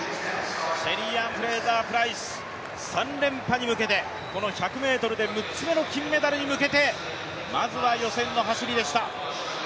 シェリーアン・フレイザープライス３連覇に向けて、この１００ｍで６つ目の金メダルに向けて、まずは予選の走りでした。